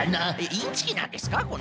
えっインチキなんですか？